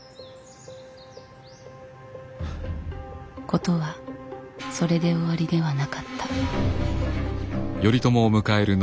事はそれで終わりではなかった。